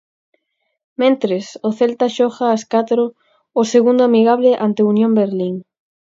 Mentres, o Celta xoga as catro o segundo amigable ante o Unión Berlín.